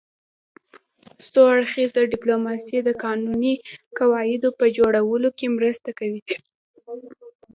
څو اړخیزه ډیپلوماسي د قانوني قواعدو په جوړولو کې مرسته کوي